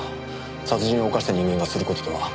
殺人を犯した人間がする事とは思えません。